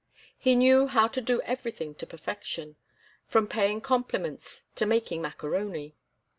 He knew how to do everything to perfection, from paying compliments to making macaroni.